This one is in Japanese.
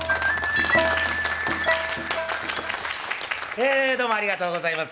えどうもありがとうございます。